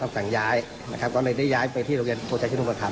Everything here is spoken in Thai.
ต้องสั่งย้ายก็เลยได้ย้ายไปที่โรงเรียนโภชัยชีวิตอุปกรรม